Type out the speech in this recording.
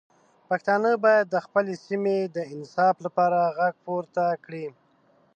پښتانه باید د خپلې سیمې د انصاف لپاره غږ پورته کړي.